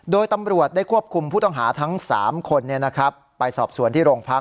โดยตำรวจได้ควบคุมผู้ต้องหาทั้ง๓คนไปสอบสวนที่โรงพัก